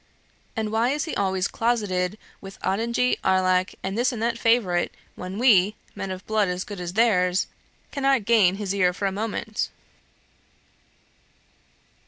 And why is he always closeted with Ottigny, Arlac, and this and that favorite, when we, men of blood as good as theirs, cannot gain his ear for a moment?